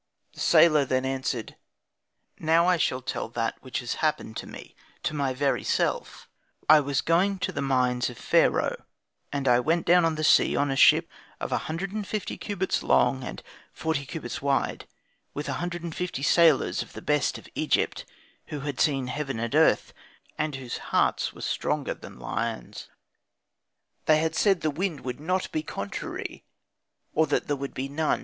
The sailor then answered, "Now I shall tell that which has happened to me, to my very self I was going to the mines of Pharaoh, and I went down on the sea on a ship of 150 cubits long and 40 cubits wide, with 150 sailors of the best of Egypt, who had seen heaven and earth, and whose hearts were stronger than lions. They had said that the wind would not be contrary, or that there would be none.